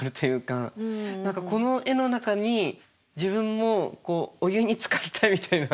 何かこの絵の中に自分もお湯につかれたみたいな。